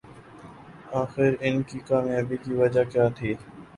آخر ان کی کامیابی کی وجہ کیا تھی